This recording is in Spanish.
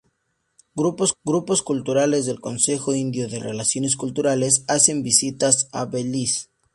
Grupos culturales del Consejo Indio de Relaciones Culturales hacen visitas a Belice.